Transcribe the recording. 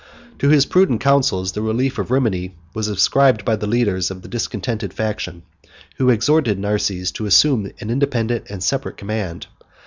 To his prudent counsels, the relief of Rimini was ascribed by the leaders of the discontented faction, who exhorted Narses to assume an independent and separate command.